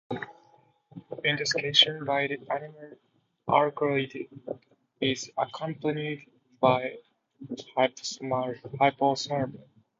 Intoxication by the animal alkaloids is accompanied by hypothermia.